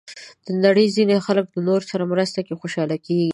د نړۍ ځینې خلک د نورو سره مرسته کې خوشحاله کېږي.